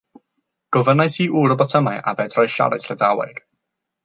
Gofynnais i ŵr y botymau a fedrai siarad Llydaweg.